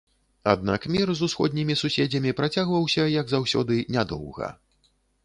Аднак мір з усходнімі суседзямі працягваўся, як заўсёды, нядоўга.